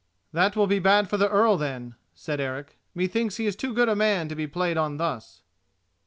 "That will be bad for the Earl then," said Eric. "Methinks he is too good a man to be played on thus."